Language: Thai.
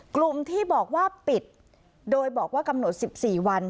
กลุ่มที่บอกว่าปิดโดยบอกว่ากำหนด๑๔วัน